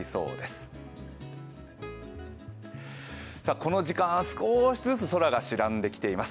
この時間、少しずつ空が白んできています。